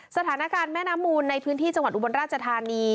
สถานการณ์แม่น้ำมูลในพื้นที่จังหวัดอุบลราชธานี